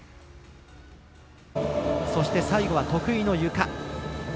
そして、最後は得意のゆか。